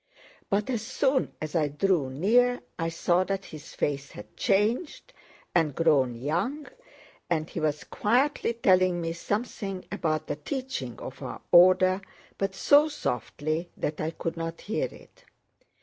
But as soon as I drew near I saw that his face had changed and grown young, and he was quietly telling me something about the teaching of our order, but so softly that I could not hear it.